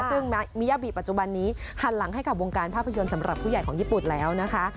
ซึ่งมิยาบิปัจจุบันนี้หันหลังให้กับวงการภาพยนตร์สำหรับผู้ใหญ่ของญี่ปุ่นแล้วนะคะ